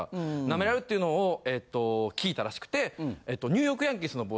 なめられるっていうのを聞いたらしくて。